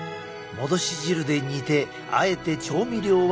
戻し汁で煮てあえて調味料は抑えめに。